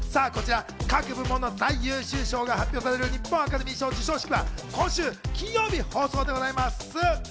各部門の最優秀賞が発表される日本アカデミー賞授賞式は今週金曜日放送でございます。